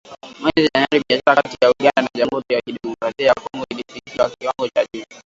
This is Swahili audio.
mwezi Januari, biashara kati ya Uganda na Jamhuri ya Kidemokrasia ya Kongo ilifikia kiwango cha juu.